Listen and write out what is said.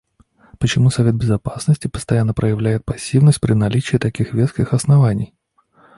Почему Совет Безопасности постоянно проявляет пассивность при наличии таких веских оснований?